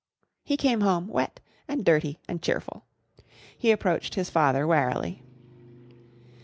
He came home wet and dirty and cheerful. He approached his father warily.